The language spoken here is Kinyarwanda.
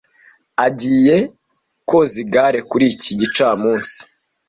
Agiye koza igare kuri iki gicamunsi.